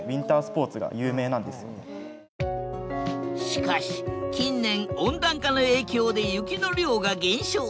しかし近年温暖化の影響で雪の量が減少。